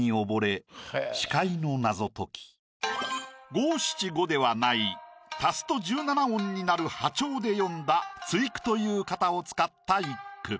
５・７・５ではない足すと１７音になる破調で詠んだ対句という型を使った一句。